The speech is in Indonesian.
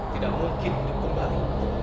tidak mungkin hidup kembali